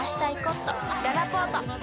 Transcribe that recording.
ららぽーと